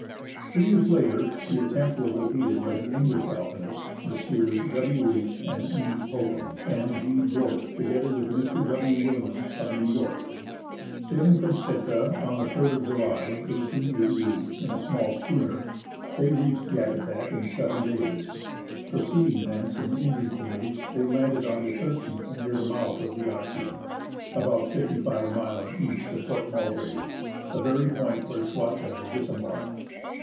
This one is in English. Two years later the attempt was repeated by the English Alpinists, Messrs. W. H. and E. Topham, and G, Broke, together with Mr. W. Williams, of New York. Sailing from Sitka on the 3rd of July, 1888, in a small schooner, they reached Yakutat in seven days. Proceeding thence in Indian canoes, they landed on the 13th near the mouth of the Yahtse, aboUt 55 miles east of Port Mulgrave, the very point where Schwatka had disembarked.